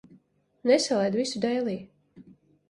Nesalaid visu dēlī.